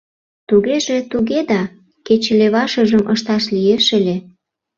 Тугеже туге да, кеч левашыжым ышташ лиеш ыле.